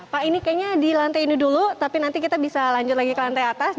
pak ini kayaknya di lantai ini dulu tapi nanti kita bisa lanjut lagi ke lantai atas